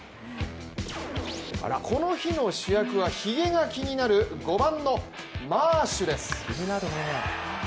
この日の主役は、ひげが気になる５番のマーシュです